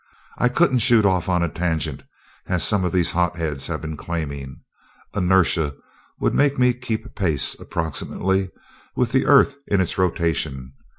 I couldn't shoot off on a tangent, as some of these hot heads have been claiming. Inertia would make me keep pace, approximately, with the earth in its rotation.